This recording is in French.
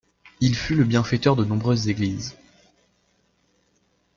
Il fut le bienfaiteur de nombreuses églises.